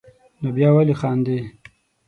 نو بیا ولې خاندې.